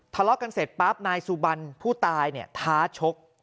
ทะเลาะกันเสร็จปั๊บนายสุบันผู้ตายเนี่ยท้าชก